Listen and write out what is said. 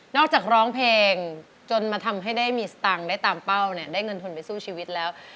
อกจากร้องเพลงจนมาทำให้ได้มีสตังค์ได้ตามเป้าเนี่ยได้เงินทุนไปสู้ชีวิตแล้ว